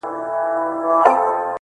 کوڼ دوه واره خاندي.